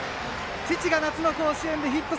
父が夏の甲子園でヒット。